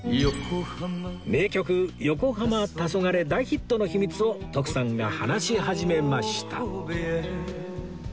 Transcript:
名曲『よこはま・たそがれ』大ヒットの秘密を徳さんが話し始めました